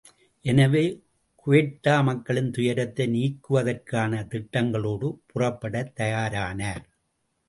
எனவே, குவெட்டா மக்களின் துயரத்தை நீக்குவதற்கான திட்டங்களோடு புறப்படத் தயாரானார்.